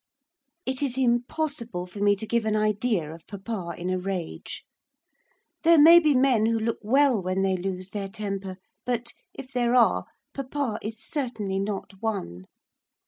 It is impossible for me to give an idea of papa in a rage. There may be men who look well when they lose their temper, but, if there are, papa is certainly not one.